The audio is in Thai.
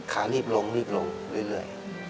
ขารีบลงรีบลงเรื่อย